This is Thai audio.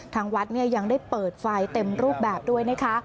ทางวัดยังได้เปิดไฟเต็มรูปแบบด้วยนะคะ